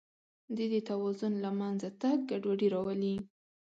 د دې توازن له منځه تګ ګډوډي راولي.